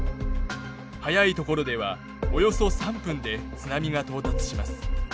速いところではおよそ３分で津波が到達します。